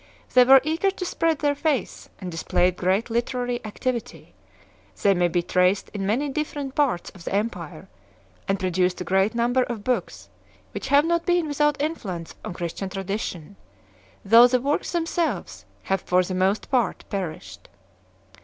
They were eager to spread their faith and displayed great literary activity ; they may be traced in many different parts of the Empire, and produced a great number of books which have not been without influence on Christian tradition, though the works themselves have for the most part perished.